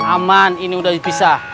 aman ini udah dipisah